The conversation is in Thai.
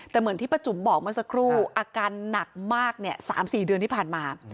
แต่เหมือนที่ป้าจุ๋มบอกเมื่อสักครู่อาการหนักมาก๓๔เดือนที่ผ่านมา